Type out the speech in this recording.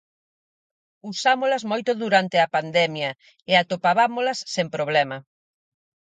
Usámolas moito durante a pandemia e atopabámolas sen problema.